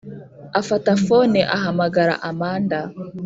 afata fone ahamagara amanda